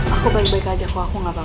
aku bergaya gaya kau aku gak berapa